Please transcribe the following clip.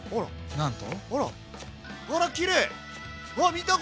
なんと。